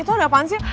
itu ada apaan sih